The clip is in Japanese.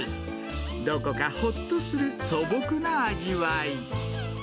どこかほっとする素朴な味わい。